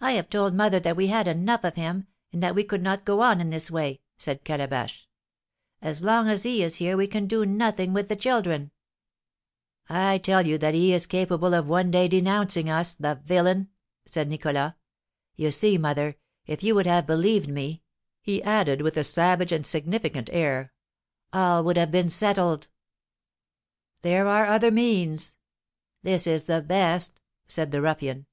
"I have told mother that we had enough of him, and that we could not go on in this way," said Calabash. "As long as he is here we can do nothing with the children." "I tell you that he is capable of one day denouncing us, the villain!" said Nicholas. "You see, mother, if you would have believed me," he added, with a savage and significant air, "all would have been settled!" "There are other means " "This is the best!" said the ruffian.